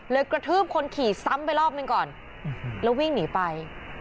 กระทืบคนขี่ซ้ำไปรอบหนึ่งก่อนแล้ววิ่งหนีไป